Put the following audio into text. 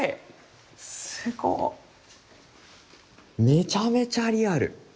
めちゃめちゃリアル！